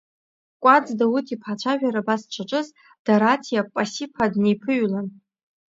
Кәаӡ Дауҭ-иԥа, ацәажәара абас дшаҿыз, Дараҭиа Пасиԥа дниԥыҩлан…